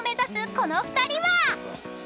この２人は］